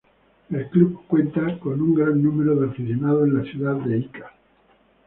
El club cuenta con un gran número de aficionados en la ciudad de Ica.